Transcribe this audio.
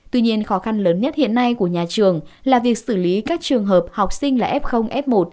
tuy nhiên khó khăn lớn nhất hiện nay của nhà trường là việc xử lý các trường hợp học sinh là f f một